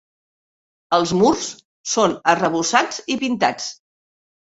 Els murs són arrebossats i pintats.